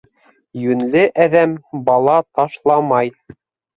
Йүнле әҙәм бала ташламай.